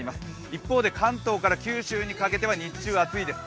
一方で、関東から九州にかけては、日中、暑いです。